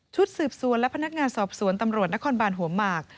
สืบสวนและพนักงานสอบสวนตำรวจนครบานหัวหมาก